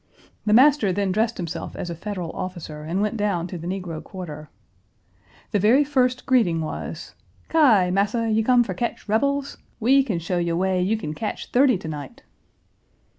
The master then dressed himself as a Federal officer and went down to a negro quarter. The very first greeting was, "Ki! massa, you come fuh ketch rebels? We kin show you way you kin ketch thirty to night."